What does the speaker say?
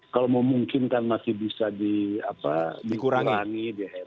kita meminta untuk itu dikurangi